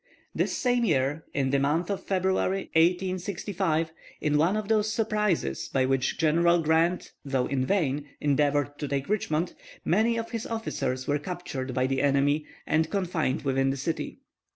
This same year, in the month of February, 1865, in one of those surprises by which General Grant, though in vain, endeavored to take Richmond, many of his officers were captured by the enemy and confined within the city.